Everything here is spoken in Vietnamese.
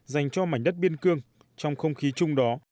dành cho mảnh đất biên cương trong không khí chung đó